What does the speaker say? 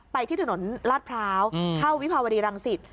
ไปที่ถนนราชพร้าวเข้าวิภาวดีรังศิษฐ์